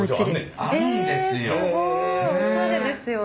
あるんですよ。